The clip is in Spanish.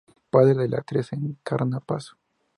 Padre de la actriz Encarna Paso.